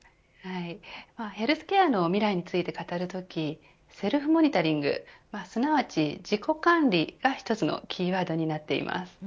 ヘルスケアの未来について語るときセルフモニタリングすなわち自己管理が一つのキーワードになってます。